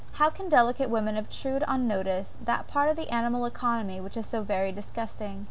How can DELICATE women obtrude on notice that part of the animal economy, which is so very disgusting?